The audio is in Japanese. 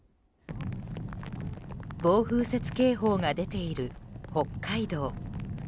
暴風雪警報が出ている北海道。